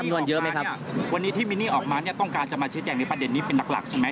วันนี้ที่มิลิออกมาต้องการจะมาชี้แจงในประเด็นนี้เป็นดักหลักใช่ไหม